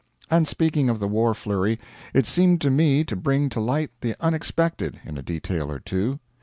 And speaking of the war flurry, it seemed to me to bring to light the unexpected, in a detail or two.